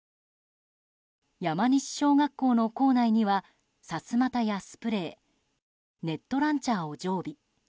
山西小学校の校内にはさすまたや、スプレーネットランチャーを常備。